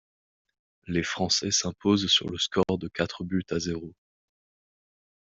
Les Français s'imposent sur le score de quatre buts à zéro.